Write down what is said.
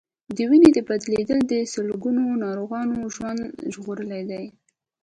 د وینې بدلېدل د سلګونو ناروغانو ژوند ژغورلی دی.